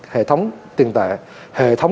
hệ thống tiền tệ hệ thống